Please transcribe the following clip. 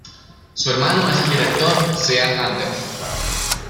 Su hermano es el director Sean Anders.